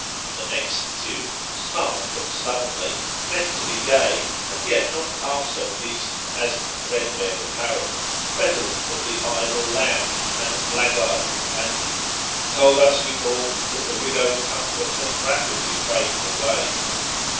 The next suit, smart but slovenly ; meant to be gay, and yet not half so decent as the threadbare apparel ; redolent of the idle lounge, and the blackguard companions, told us, we thought, that the widow's comfort had rapidly faded away.